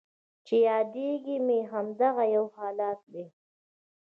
چې یادیږي مې همدغه یو حالت دی